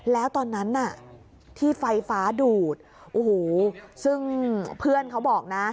แล้วตอนนั้นน่ะที่ไฟฟ้าดูดโอ้โหซึ่งเพื่อนเขาบอกนะ